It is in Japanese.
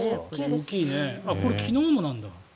これ、昨日もなんだ。